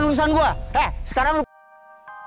eh sekarang lo pake chat itu bu